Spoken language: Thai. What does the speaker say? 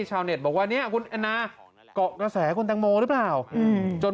ชาวเน็ตบอกว่าเนี่ยคุณแอนนาเกาะกระแสคุณตังโมหรือเปล่าจน